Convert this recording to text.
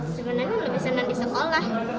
sebenarnya lebih senang di sekolah